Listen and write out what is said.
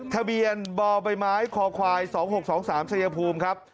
ทะเบียนบใบไม้คค๒๖๒๓ชายภูมิครับ